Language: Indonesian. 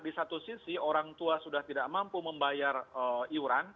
di satu sisi orang tua sudah tidak mampu membayar iuran